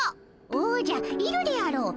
おじゃいるであろう。